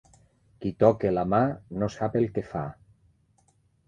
Qui toca la mà, no sap el que fa.